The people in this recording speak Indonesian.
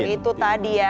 itu tadi ya